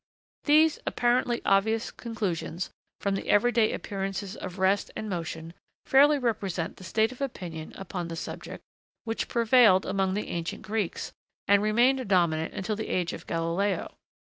These, apparently obvious, conclusions from the everyday appearances of rest and motion fairly represent the state of opinion upon the subject which prevailed among the ancient Greeks, and remained dominant until the age of Galileo.